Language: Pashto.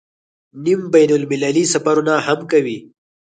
نیم بین المللي سفرونه هم کوي.